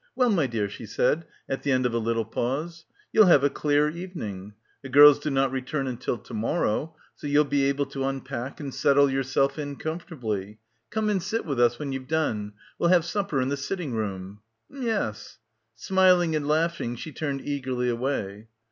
"Well, my dear," she said at the end of a little pause, "you'll have a clear evening. The gels do not return until to morrow, so you'll be able to unpack and settle yerself in comfortably. Come and sit with us when ye've done. We'll have supper in the sitting room. M'yes." Smiling and laughing she turned eagerly away.